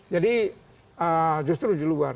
jadi justru di luar